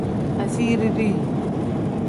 Asiiri dii.